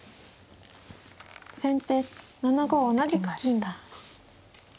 先手７五同じく金。